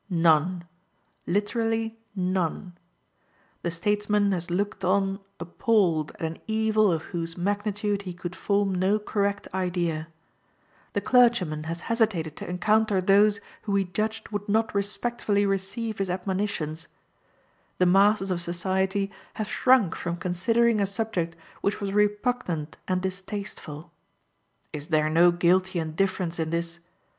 None literally none. The statesman has looked on appalled at an evil of whose magnitude he could form no correct idea; the clergyman has hesitated to encounter those who he judged would not respectfully receive his admonitions; the masses of society have shrunk from considering a subject which was repugnant and distasteful. Is there no guilty indifference in this?